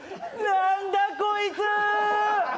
何だこいつ！